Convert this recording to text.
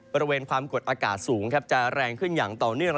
บริเวณความกดอากาศสูงจะแรงขึ้นอย่างต่อเนื่อง